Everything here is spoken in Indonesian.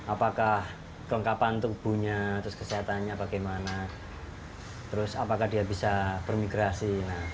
apakah kelengkapan tubuhnya terus kesehatannya bagaimana terus apakah dia bisa bermigrasi